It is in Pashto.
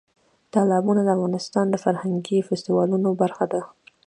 تالابونه د افغانستان د فرهنګي فستیوالونو برخه ده.